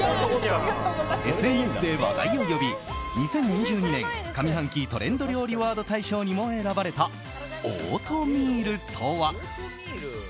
ＳＮＳで話題を呼び２０２２年上半期トレンド料理ワード大賞にも選ばれた、オートミールとは。